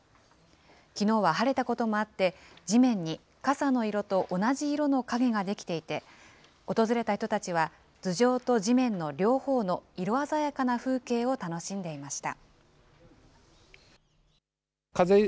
きのうは晴れたこともあって、地面に傘の色と同じ色の影が出来ていて、訪れた人たちは頭上と地面の両方の色鮮やかな風景を楽しんでいました。